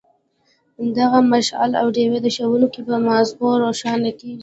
دغه مشال او ډیوه د ښوونکي په مازغو روښانه کیږي.